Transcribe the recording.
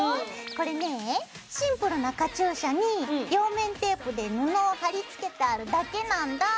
これねシンプルなカチューシャに両面テープで布を貼り付けてあるだけなんだ。